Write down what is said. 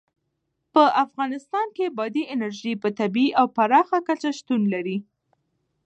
په افغانستان کې بادي انرژي په طبیعي او پراخه کچه شتون لري.